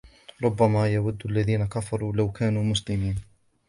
ربما يود الذين كفروا لو كانوا مسلمين